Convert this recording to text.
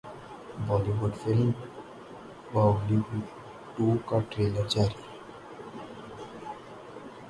Bali would film Baahubali two کا trailer جاری